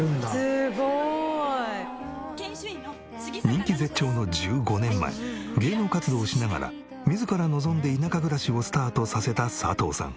すごい！人気絶頂の１５年前芸能活動をしながら自ら望んで田舎暮らしをスタートさせた佐藤さん。